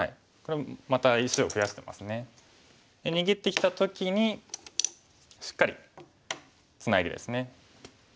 逃げてきた時にしっかりツナいでですね。